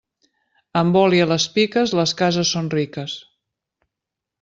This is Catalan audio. Amb oli a les piques, les cases són riques.